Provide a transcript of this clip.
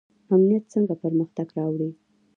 امنیت څنګه پرمختګ راوړي؟